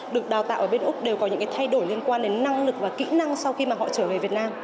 được đào tạo ở bên úc đều có những cái thay đổi liên quan đến năng lực và kỹ năng sau khi mà họ trở về việt nam